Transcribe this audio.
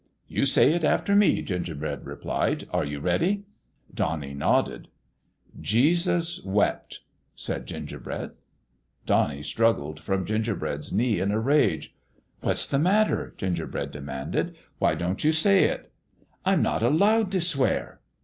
" You say it after me," Gingerbread replied. " Are you ready ?" Donnie nodded. "' Jesus wept/ " said Gingerbread. Donnie struggled from Gingerbread's knee in a rage. 64 PALE PETER'S GAME "What's the matter?" Gingerbread demanded. " Why don't you say it? "" I'm not allowed to swear."